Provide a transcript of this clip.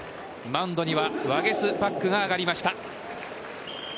マウンドにはワゲスパックが上がりました。